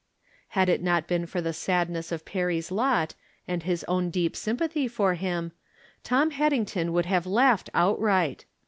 Had it not been for the sadness of Perry's lot and his own deep sympathy for him, Tom Had dington would have laughed outright.